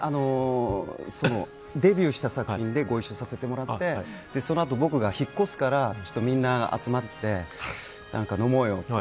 デビューした作品でご一緒させてもらってそのあと僕が引っ越すからみんな集まって飲もうよって。